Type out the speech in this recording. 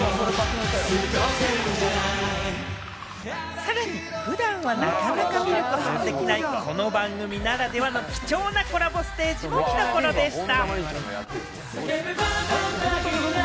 さらに普段はなかなか見ることができない、この番組ならではの貴重なコラボステージも見どころでした。